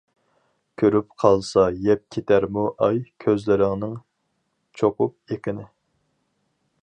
كۆرۈپ قالسا يەپ كېتەرمۇ ئاي كۆزلىرىڭنىڭ چوقۇپ ئېقىنى.